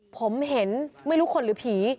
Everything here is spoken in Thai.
ผมเห็นไม่รู้คนหรือผี